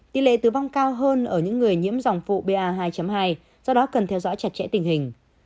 tỷ lệ tử vong cao hơn ở những người nhiễm dòng phụ ba hai do đó cần theo dõi chặt chẽ tình hình